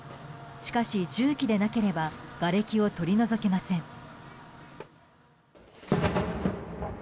しかし重機でなければがれきを取り除けません。